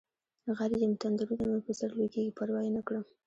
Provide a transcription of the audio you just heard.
غر یم تندرونه مې په سرلویږي پروا یې نکړم